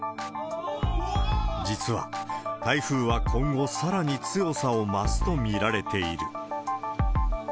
実は、台風は今後さらに強さを増すと見られている。